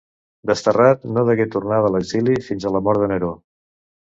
Desterrat, no degué tornar de l'exili fins a la mort de Neró.